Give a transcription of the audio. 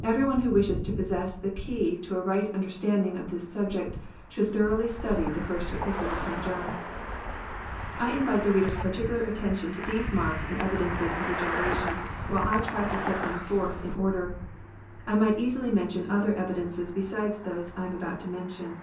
Every one who wishes to possess the key to a right understanding of this subject should thoroughly study the First Epistle of St. John. I invite the reader s particular attention to these marks and \ evidences of Regeneration, while I try to set them forth in A IDrder. I might easily mention other evidences besides those I am about to mention.